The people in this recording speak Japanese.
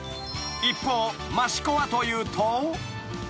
［一方益子はというと］